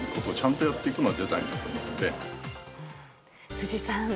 辻さん。